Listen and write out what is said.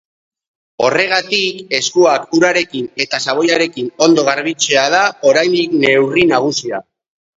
Horregatik, eskuak urarekin eta xaboiarekin ondo garbitzea da oraindik neurri nagusia.